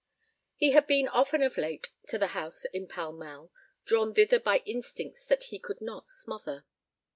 He had been often of late to the house in Pall Mall, drawn thither by instincts that he could not smother.